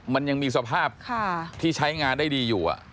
มันยังมีสภาพที่ใช้งานได้ดีอยู่